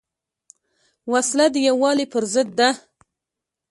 وسله د یووالي پر ضد ده